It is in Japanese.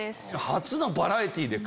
初のバラエティーで。